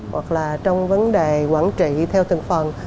hoặc là trong vấn đề quản trị theo từng phần